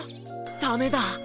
ダメだ！